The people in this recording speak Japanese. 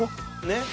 ねっ。